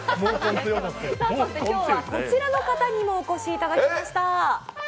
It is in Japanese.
今日はこちらの方にもお越しいただきました。